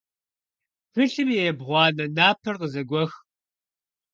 Тхылъым и ебгъуанэ напэр къызэгуэх.